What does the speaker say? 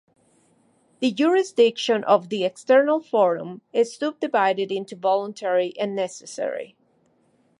The jurisdiction of the external forum is subdivided into voluntary and necessary.